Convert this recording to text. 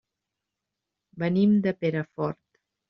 Venim de Perafort.